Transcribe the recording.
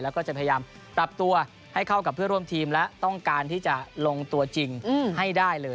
แล้วก็จะพยายามปรับตัวให้เข้ากับเพื่อร่วมทีมและต้องการที่จะลงตัวจริงให้ได้เลย